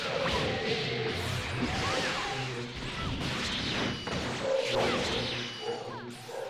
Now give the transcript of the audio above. A year after, all basic guitar and bass tracks were already recorded.